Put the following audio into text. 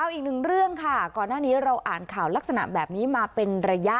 อีกหนึ่งเรื่องค่ะก่อนหน้านี้เราอ่านข่าวลักษณะแบบนี้มาเป็นระยะ